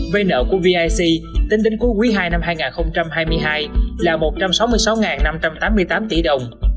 vay nợ của vic tính đến cuối quý ii năm hai nghìn hai mươi hai là một trăm sáu mươi sáu năm trăm tám mươi tám tỷ đồng